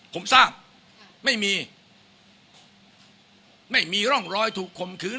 ผมทราบไม่มีไม่มีร่องรอยถูกคมคืน